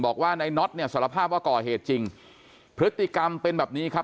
บอกว่าในน็อตเนี่ยสารภาพว่าก่อเหตุจริงพฤติกรรมเป็นแบบนี้ครับ